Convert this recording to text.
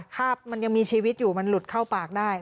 คาบมันยังมีชีวิตอยู่มันหลุดเข้าปากได้